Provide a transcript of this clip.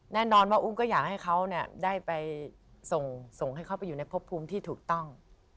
แน่นอนว่าอุ้มก็อยากให้เขาได้ไปส่งให้เขาไปอยู่ในพบภูมิที่ถูกต้อง